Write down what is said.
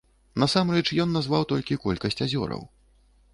Насамрэч ён назваў толькі колькасць азёраў.